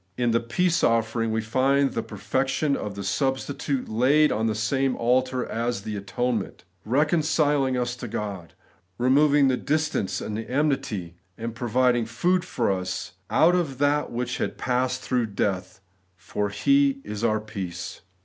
In the peace offering we find the perfection of the substitute laid on the same altar as an atonement, reconciling us to God; removing the distance and the enmity, and providing food for us out of that which had passed through death ; for ' He is our peace.'